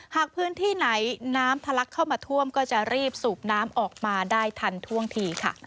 หากพื้นที่ไหนน้ำทะลักเข้ามาท่วมก็จะรีบสูบน้ำออกมาได้ทันท่วงทีค่ะ